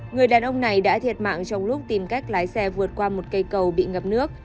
người đàn ông này đã thiệt mạng trong lúc tìm cách lái xe vượt qua một cây cầu bị ngập nước